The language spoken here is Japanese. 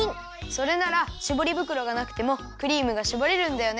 それならしぼりぶくろがなくてもクリームがしぼれるんだよね。